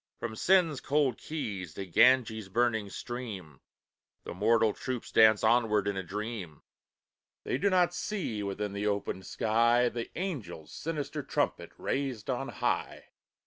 From Seine's cold quays to Ganges' burning stream, The mortal troupes dance onward in a dream; They do not see, within the opened sky, The Angel's sinister trumpet raised on high.